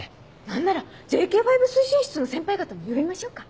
何ならＪＫ５推進室の先輩方も呼びましょうか。